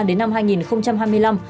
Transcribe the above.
đến năm hai nghìn hai mươi năm